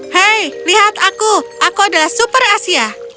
hei lihat aku aku adalah super asia